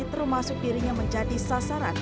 termasuk dirinya menjadi sasaran